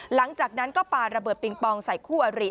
หลังจากนั้นก็ปาระเบิดปิงปองใส่คู่อริ